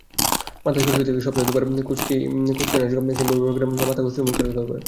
মাথায় খুশকি থাকলে সপ্তাহে দুবার খুশকিনাশক শ্যাম্পু ব্যবহার করে মাথা খুশকিমুক্ত রাখতে হবে।